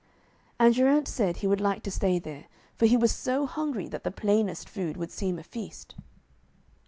And Geraint said he would like to stay there, for he was so hungry that the plainest food would seem a feast.